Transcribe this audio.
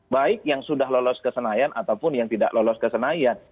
baik yang sudah lolos ke senayan ataupun yang tidak lolos ke senayan